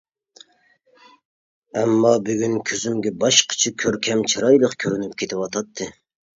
ئەمما بۈگۈن كۆزۈمگە باشقىچە كۆركەم، چىرايلىق كۆرۈنۈپ كېتىۋاتاتتى.